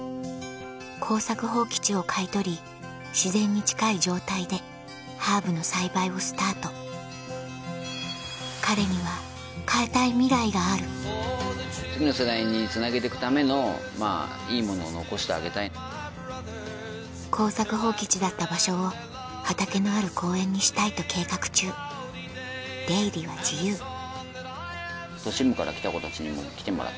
耕作放棄地を買い取り自然に近い状態でハーブの栽培をスタート彼には変えたいミライがある耕作放棄地だった場所を畑のある公園にしたいと計画中出入りは自由都心部から来た子たちにも来てもらってね